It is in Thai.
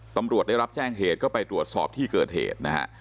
ตำรวจได้รับแจ้งเหตุก็ไปตรวจสอบที่เกิดเหตุนะฮะ